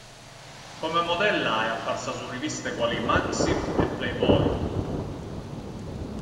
Come modella è apparsa su riviste quali Maxim e Playboy.